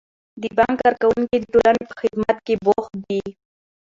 د بانک کارکوونکي د ټولنې په خدمت کې بوخت دي.